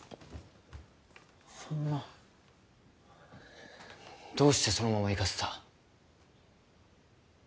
そんなどうしてそのまま行かせた？